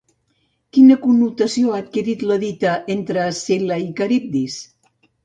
Quina connotació ha adquirit la dita «entre Escil·la i Caribdis»?